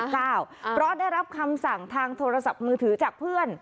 เพราะได้รับคำสั่งทางโทรศัพท์มือถือจากเพื่อน